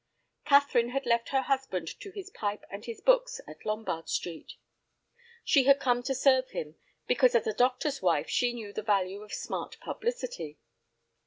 Catherine had left her husband to his pipe and his books at Lombard Street. She had come to serve him, because as a doctor's wife she knew the value of smart publicity.